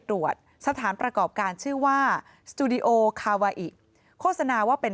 ตรวจสถานประกอบการชื่อว่าสตูดิโอคาวาอิโฆษณาว่าเป็น